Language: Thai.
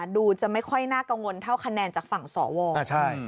ดูจะไม่ค่อยน่ากังวลเท่าคะแนนจากฝั่งสว